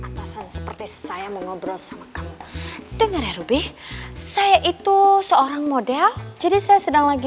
atasan seperti saya mengobrol sama kamu denger ruby saya itu seorang model jadi saya sedang lagi